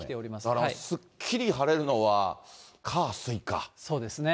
だからすっきり晴れるのは火、そうですね。